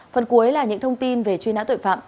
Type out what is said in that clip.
phần cuối là những thông tin về truy nã tội phạm